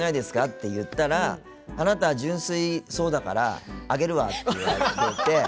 って言ったらあなたは純粋そうだからあげるわって言われて。